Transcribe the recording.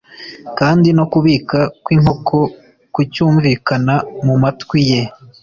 kandi no kubika kw’inkoko kucyumvikana mu matwi ye,